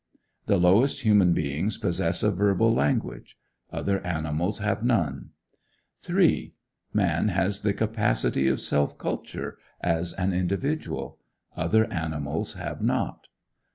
The lowest human beings possess a verbal language; other animals have none. 3. Man has the capacity of self culture, as an individual; other animals have not.